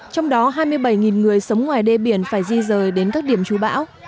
trong đó hai mươi bảy người sống ngoài đê biển phải di rời đến các điểm chú bão